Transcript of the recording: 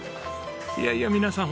いやいや皆さん